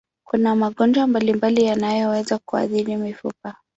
Kuna magonjwa mbalimbali yanayoweza kuathiri mifupa.